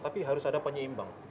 tapi harus ada penyeimbang